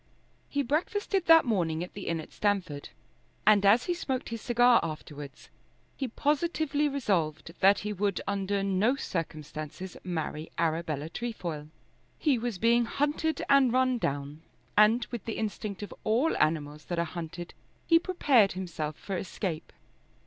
He breakfasted that morning at the inn at Stamford, and as he smoked his cigar afterwards, he positively resolved that he would under no circumstances marry Arabella Trefoil. He was being hunted and run down, and, with the instinct of all animals that are hunted, he prepared himself for escape.